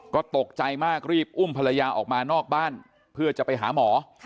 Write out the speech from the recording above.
ก็ตกใจมากรีบอุ้มภรรยาออกมานอกบ้านเพื่อจะไปหาหมอ